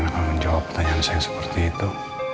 kalau menjawab pertanyaan saya seperti itu